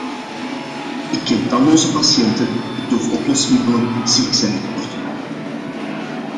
Ik ken talloze patiënten die door oplosmiddelen ziek zijn geworden.